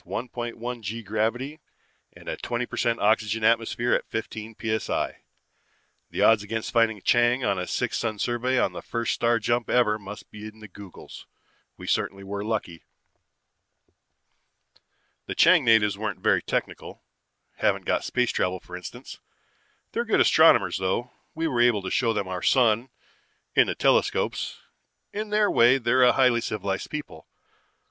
1 g gravity and a twenty per cent oxygen atmosphere at fifteen p.s.i. The odds against finding Chang on a six sun survey on the first star jump ever must be up in the googols. We certainly were lucky. "The Chang natives aren't very technical haven't got space travel for instance. They're good astronomers, though. We were able to show them our sun, in their telescopes. In their way, they're a highly civilized people.